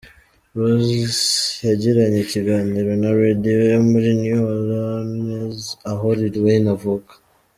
Ross yagiranye ikiganiro na Radio yo muri New Olreans, aho Lil wayne avuka,.